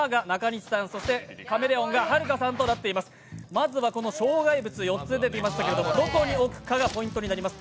まずは障害物、４つ出ていましたけれどもどこに置くかがポイントになります。